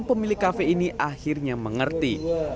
pemilik kafe ini akhirnya mengerti